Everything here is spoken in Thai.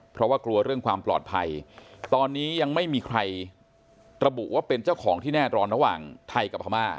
เพราะว่ากลัวเรื่องความปลอดภัยตอนนี้ยังไม่มีใครระบุว่าเป็นเจ้าของที่แน่นอนระหว่างไทยกับพม่า